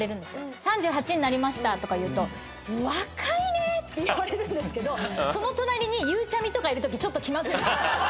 「３８になりました」とか言うと「若いね！」って言われるんですけどその隣にゆうちゃみとかいるときちょっと気まずい。